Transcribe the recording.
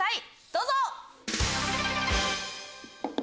どうぞ！